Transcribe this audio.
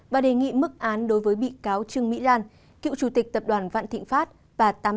và đề nghị mức án đối với bị cáo trương mỹ lan cựu chủ tịch tập đoàn vạn thịnh pháp